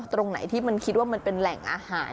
ตรงไหนที่มันคิดว่ามันเป็นแหล่งอาหาร